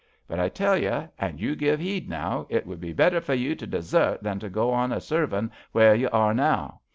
But I tell you, an' you give 'eed now, it would be better for you to desert than to go on a servin' where you are now.